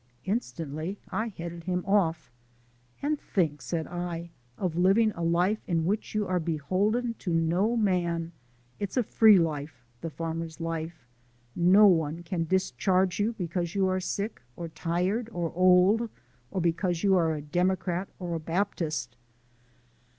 Instantly I headed him off. "And think," said I, "of living a life in which you are beholden to no man. It's a free life, the farmer's life. No one can discharge you because you are sick, or tired, or old, or because you are a Democrat or a Baptist!"